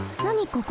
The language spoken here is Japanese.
ここ。